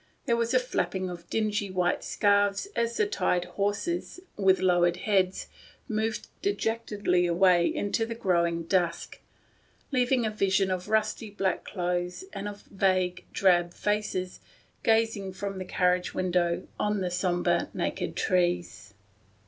There was a flapping of dingy white scarves as the dyed horses, with lowered heads, moved dejectedly away into the growing dusk, leaving a vision of rusty black clothes and of vague drab faces gazing from the carriage window on to the sombre, naked trees.